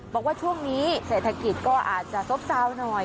บอกว่าช่วงนี้เศรษฐกิจก็อาจจะซบซาวน์หน่อย